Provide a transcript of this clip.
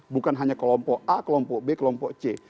dan hanya kelompok a kelompok b kelompok c